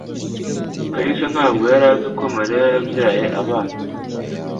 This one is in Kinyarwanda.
Kalisa ntabwo yari azi ko Mariya yabyaye abana.